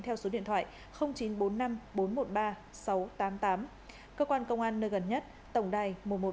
theo số điện thoại chín trăm bốn mươi năm bốn trăm một mươi ba sáu trăm tám mươi tám cơ quan công an nơi gần nhất tổng đài một trăm một mươi ba